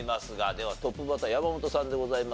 ではトップバッター山本さんでございますが。